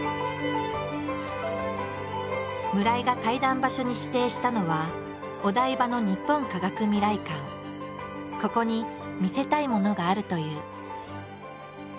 村井が対談場所に指定したのはお台場のここに見せたいものがあるという。